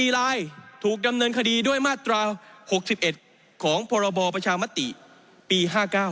๔ลายถูกดำเนินคดีด้วยมาตรา๖๑ของพรบประชามติปี๕๙